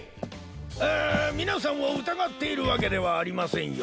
あみなさんをうたがっているわけではありませんよ。